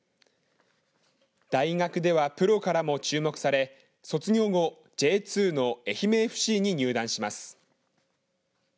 大学ではプロからも注目され卒業後Ｊ２の愛媛ＦＣに入団します。